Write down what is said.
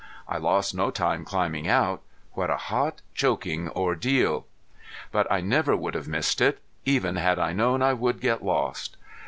I lost no time climbing out. What a hot choking ordeal! But I never would have missed it even had I known I would get lost.